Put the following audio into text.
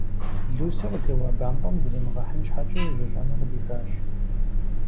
Лусэ, къытеуа бампӀэм зримыгъэхьын щхьэкӀэ, жьыщӀэныр къыдихащ.